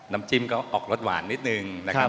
น้ำจิ้มก็ออกรสหวานนิดนึงนะครับ